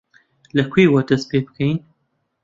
لەکوێوە دەست پێ بکەین؟